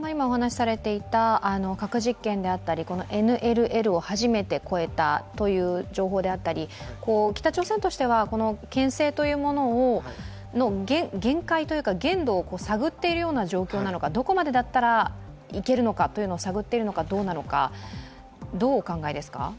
核実験であったりＮＬＬを初めて越えたという情報であったり北朝鮮としては、けん制というものの限界というか、限度を探っているような状況なのか、どこまでだったらいけるのかというのを探っているのかどうなのかどうお考えですか？